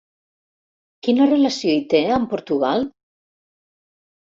Quina relació hi té, amb Portugal?